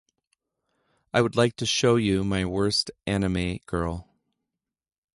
I would like to show you my worst anime girl.